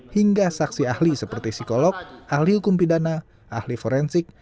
hingga saksi ahli seperti psikolog ahli hukum pidana ahli forensik